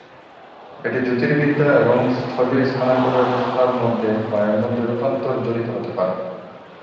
এটি জ্যোতির্বিদ্যা এবং স্থলীয় স্থানাঙ্ক ব্যবস্থার মধ্যে বা এর মধ্যে রূপান্তর জড়িত হতে পারে।